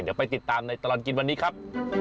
เดี๋ยวไปติดตามในตลอดกินวันนี้ครับ